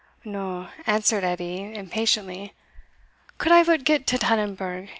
"No," answered Edie, impatiently "could I but get to Tannonburgh.